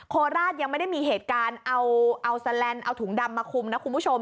โคราชยังไม่ได้มีเหตุการณ์เอาแสลนด์เอาถุงดำมาคุมนะคุณผู้ชม